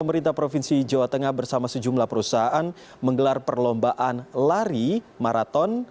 pemerintah provinsi jawa tengah bersama sejumlah perusahaan menggelar perlombaan lari maraton